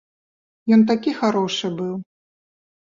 Ён такі харошы быў.